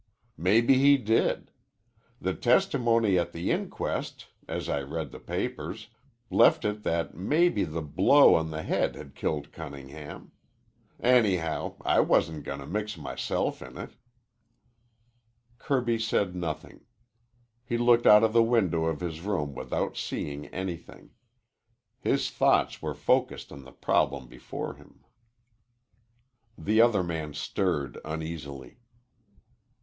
Maybe he did. The testimony at the inquest, as I read the papers, left it that maybe the blow on the head had killed Cunningham. Anyhow, I wasn't gonna mix myself in it." Kirby said nothing. He looked out of the window of his room without seeing anything. His thoughts were focused on the problem before him. The other man stirred uneasily.